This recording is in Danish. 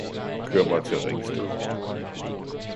Kør mig til Ringsted